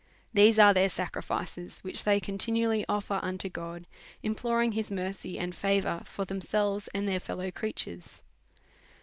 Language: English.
These are their sa crifices, which they continually oft'er unto God, im ploring his mercy and favour for themselves and their fellow creatures.